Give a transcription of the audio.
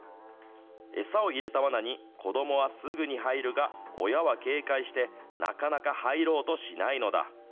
餌を入れたわなに子どもはすぐに入るが、親は警戒してなかなか入ろうとしないのだ。